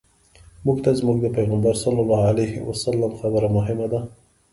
موږ ته زموږ د پیغمبر صلی الله علیه وسلم خبره مهمه ده.